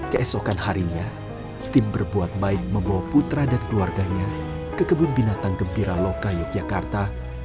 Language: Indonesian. keesokan harinya tim berbuat baik membawa putra dan keluarganya ke kebun binatang gembira loka yogyakarta